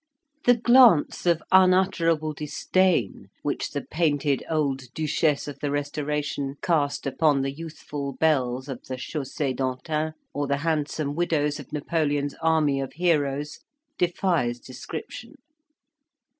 The glance of unutterable disdain which the painted old duchesse of the Restoration cast upon the youthful belles of the Chausse d'Antin, or the handsome widows of Napoleon's army of heroes, defies description.